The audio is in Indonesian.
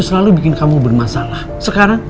selalu bikin kamu bermasalah sekarang